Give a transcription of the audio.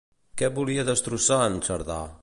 Què volia destrossar en Cerdà?